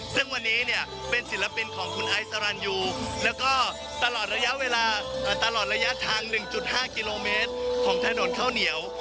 ซึ่งวันนี้เนี่ยเป็นศิลปินของคุณไอสรรยูแล้วก็ตลอดระยะเวลาตลอดระยะทาง๑๕กิโลเมตรของถนนข้าวเหนียว